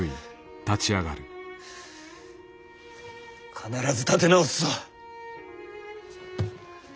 必ず立て直すぞ。